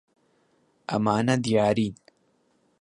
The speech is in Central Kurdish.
ئەمانە دیارین.